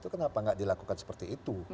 kenapa tidak dilakukan seperti itu